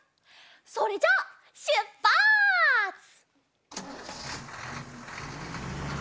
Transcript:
それじゃあしゅっぱつ！